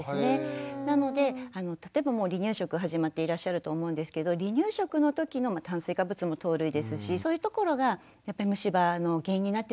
なので例えばもう離乳食始まっていらっしゃると思うんですけど離乳食のときの炭水化物も糖類ですしそういうところがやっぱり虫歯の原因になってしまうので。